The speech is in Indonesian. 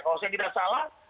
kalau saya tidak salah